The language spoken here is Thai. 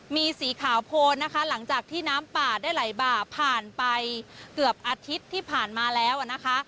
มีสีขาวโพนนะคะหลังจากที่น้ำป่าได้ไหลบ่าผ่านไปเกือบอาทิตย์ที่ผ่านมาแล้วนะคะ